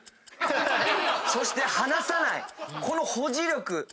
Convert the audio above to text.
そして離さないこの保持力。